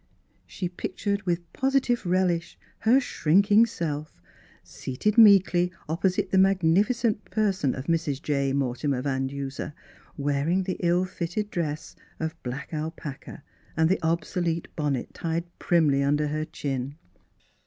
She pic tured with positive relish her shrinking self, seated meekly opposite the magnifi cent person of Mrs. J. Mortimer Van Duser, wearing the ill fitting dress of black alpaca, and the obsolete bonnet tied primly under her chin.